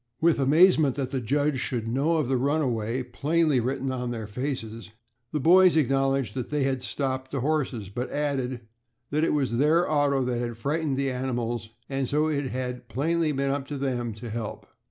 With amazement that the judge should know of the runaway, plainly written on their faces, the boys acknowledged that they had stopped the horses, but added that it was their auto that had frightened the animals, and so it had plainly been up to them to help.